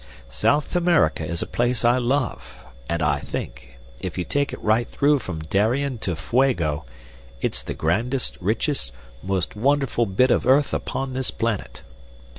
South America is a place I love, and I think, if you take it right through from Darien to Fuego, it's the grandest, richest, most wonderful bit of earth upon this planet.